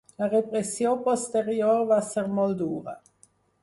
La repressió posterior va ser molt dura.